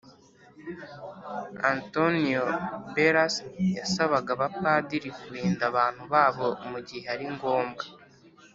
Antonio Beras yasabaga abapadiri kurinda abantu babo mugihe ari ngombwa